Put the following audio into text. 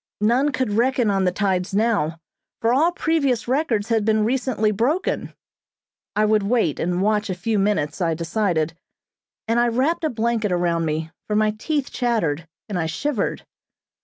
None could reckon on the tides now, for all previous records had been recently broken. I would wait and watch a few minutes, I decided, and I wrapped a blanket around me, for my teeth chattered, and I shivered.